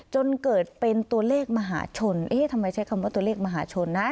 จนเกิดเป็นตัวเลขมหาชนเอ๊ะทำไมใช้คำว่าตัวเลขมหาชนนะ